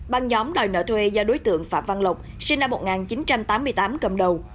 băng nhóm đòi nợ thuê do đối tượng phạm văn lộc sinh năm một nghìn chín trăm tám mươi tám cầm đầu